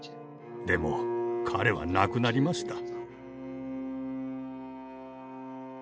でも彼は亡くなりました。